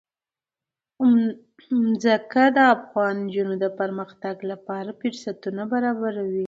ځمکه د افغان نجونو د پرمختګ لپاره فرصتونه برابروي.